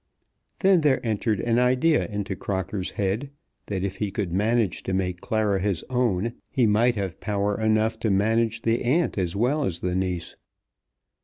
Then there entered an idea into Crocker's head that if he could manage to make Clara his own, he might have power enough to manage the aunt as well as the niece.